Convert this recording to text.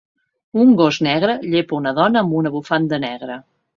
Un gos negre llepa una dona amb una bufanda negra.